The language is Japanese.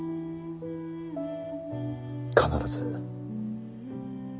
必ず。